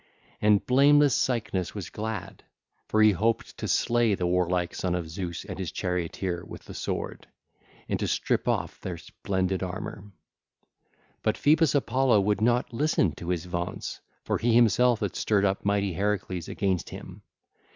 And blameless Cycnus was glad, for he looked to slay the warlike son of Zeus and his charioteer with the sword, and to strip off their splendid armour. But Phoebus Apollo would not listen to his vaunts, for he himself had stirred up mighty Heracles against him.